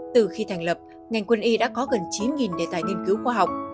từ khi thành lập ngành quân y đã có gần chín đề tài nghiên cứu khoa học